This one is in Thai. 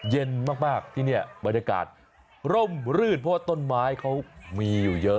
เย็นมากที่นี่บรรยากาศร่มรื่นเพราะว่าต้นไม้เขามีอยู่เยอะ